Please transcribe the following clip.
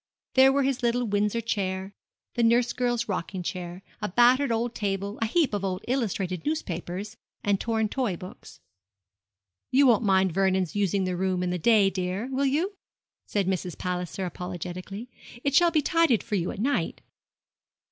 There were his little Windsor chair, the nurse girl's rocking chair, a battered old table, a heap of old illustrated newspapers, and torn toy books. 'You won't mind Vernon's using the room in the day, dear, will you?' said Mrs. Palliser, apologetically. 'It shall be tidied for you at night.'